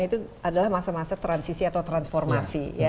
itu adalah masa masa transisi atau transformasi